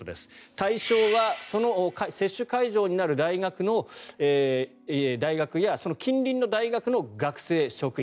対象はその接種会場になる大学やその近隣の大学の学生・職員。